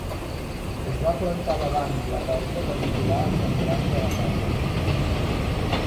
Es va plantar davant la porta per vigilar els entrants a la casa.